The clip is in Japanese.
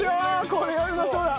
これはうまそうだ。